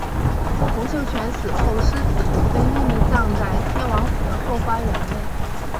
洪秀全死后尸体被秘密葬在天王府的后花园内。